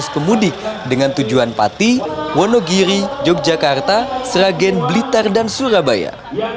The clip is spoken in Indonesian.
enam lima ratus pemudik dengan tujuan pati wonogiri yogyakarta sera gen blitar dan surabaya